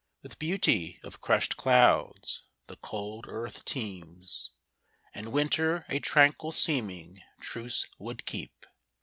With beauty of crushed clouds the cold earth teems, And winter a tranquil seeming truce would keep.